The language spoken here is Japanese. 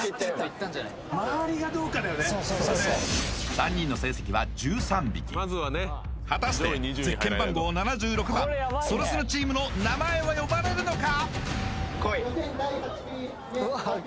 ３人の成績は１３匹果たしてゼッケン番号７６番それスノチームの名前は呼ばれるのか！？